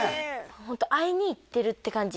ホント会いに行ってるって感じ